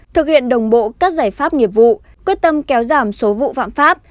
thực hiện đồng bộ các giải pháp nghiệp vụ quyết tâm kéo giảm số vụ phạm pháp